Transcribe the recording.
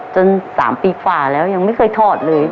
จน๓ปีกว่าแล้วยังไม่เคยถอดเลย